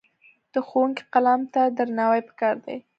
د ښوونکي قلم ته درناوی پکار دی.